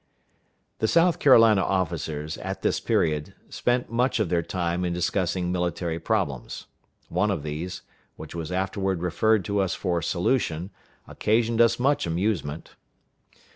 The South Carolina officers, at this period, spent much of their time in discussing military problems. One of these, which was afterward referred to us for solution, occasioned us much amusement.